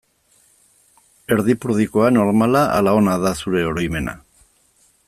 Erdipurdikoa, normala ala ona da zure oroimena?